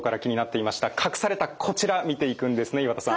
隠されたこちら見ていくんですね岩田さん。